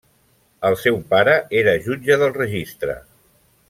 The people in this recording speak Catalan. El seu pare era jutge del registre.